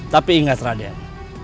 tapi ingat raden